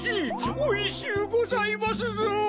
おいしゅうございますぞ！